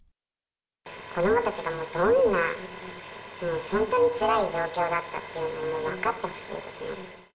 子どもたちがどんな、本当につらい状況だったっていうの分かってほしいですね。